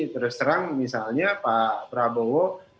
terserang misalnya pak prabowo